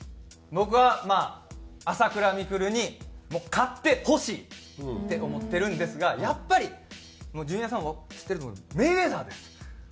僕はまあ朝倉未来に勝ってほしいって思ってるんですがやっぱりもうジュニアさんも知ってると思うんですけどメイウェザーです。